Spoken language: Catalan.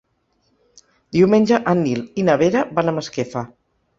Diumenge en Nil i na Vera van a Masquefa.